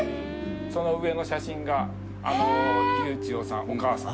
その上の写真が龍千代さんお母さん。